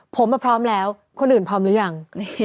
ผมมาพร้อมแล้วคนอื่นพร้อมหรือยัง